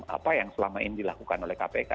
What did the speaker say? apa yang selama ini dilakukan oleh kpk